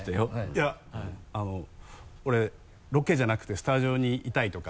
いやあの「俺ロケじゃなくてスタジオにいたい」とか。